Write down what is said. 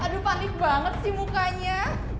aduh panik banget sih mukanya